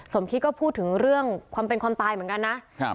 สมคิดก็พูดถึงเรื่องความเป็นความตายเหมือนกันนะครับ